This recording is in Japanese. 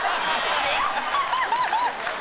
ハハハハ！